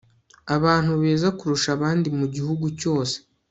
Abantu beza kurusha abandi mu gihugu cyose